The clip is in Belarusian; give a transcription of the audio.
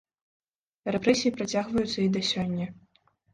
Рэпрэсіі працягваюцца і да сёння.